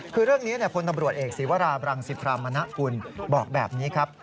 คือเรื่องนี้พลตำรวจเอกศีวราบรังสิพรามณกุลบอกแบบนี้ครับ